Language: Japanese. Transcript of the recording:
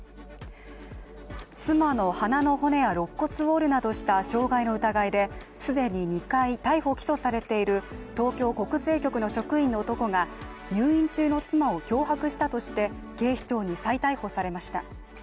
妻の鼻の骨やろっ骨を折るなどした傷害の疑いですでに２回逮捕・起訴されている東京国税局の職員の男が入院中の妻を脅迫したとして警視庁に再逮捕されました。